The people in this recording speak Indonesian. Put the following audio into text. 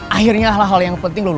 akhirnya hal hal yang penting lo lupain